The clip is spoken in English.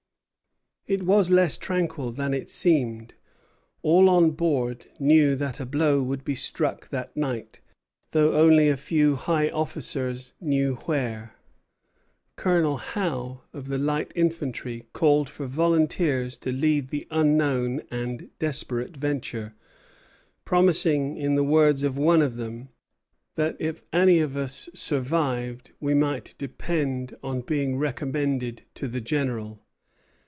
It was less tranquil than it seemed. All on board knew that a blow would be struck that night, though only a few high officers knew where. Colonel Howe, of the light infantry, called for volunteers to lead the unknown and desperate venture, promising, in the words of one of them, "that if any of us survived we might depend on being recommended to the General."